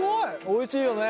おいしいよね！